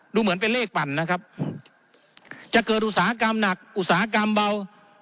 ดูเหมือนเป็นเลขปั่นนะครับจะเกิดอุตสาหกรรมหนักอุตสาหกรรมเบา